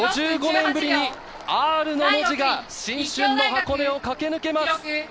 ５５年ぶりにＲの文字が新春の箱根を駆け抜けます。